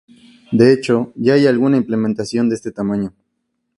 De hecho, ya hay alguna implementación de este tamaño.